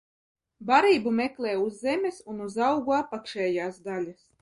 Barību meklē uz zemes un uz augu apakšējās daļas.